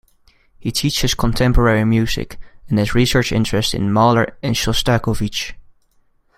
He teaches contemporary music and has research interests in Mahler and Shostakovich.